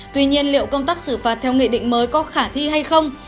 tuy nhiên liệu công tác xử phạt theo nghị định mới có khả thi hay không